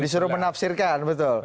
disuruh menafsirkan betul